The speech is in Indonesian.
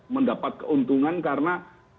mendapat keuntungan karena